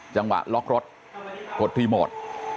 จังหวะล็อกรถกดรีโมท